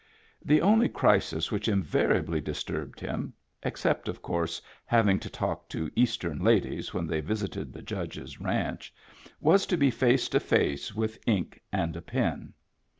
The only crisis which invariably disturbed him (except, of course, having to talk to Eastern ladies when they visited the Judge's ranch) was to be face to face with ink and a pen.